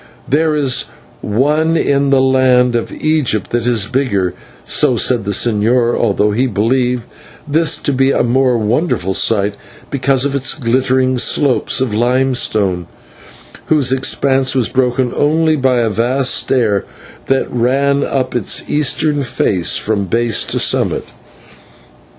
There is one in the land of Egypt that is bigger, so said the señor, although he believed this to be a more wonderful sight because of its glittering slopes of limestone, whose expanse was broken only by the vast stair that ran up its eastern face from base to summit.